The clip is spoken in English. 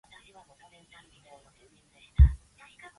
There are thousands of examples of tidal creeks throughout the world.